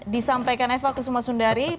disampaikan eva kusuma sundari